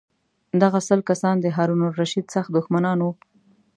دغه سل کسان د هارون الرشید سخت دښمنان وو.